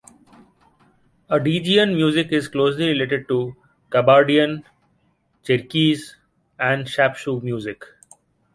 Adygean music is closely related to Kabardian, Cherkess and Shapsugh music.